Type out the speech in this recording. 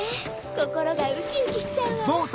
こころがウキウキしちゃうわ。